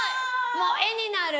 もう画になる！